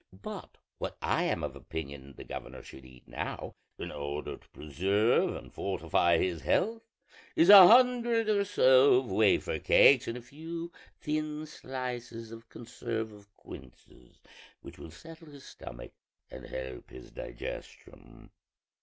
But what I am of opinion the governor should eat now, in order to preserve and fortify his health, is a hundred or so of wafer cakes and a few thin slices of conserve of quinces, which will settle his stomach and help his digestion."